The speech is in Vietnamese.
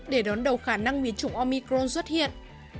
để đón đầu khả năng biến chủng omicron xuất hiện